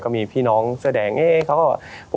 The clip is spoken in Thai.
มีพี่น้องเสื้อแดงเขาก็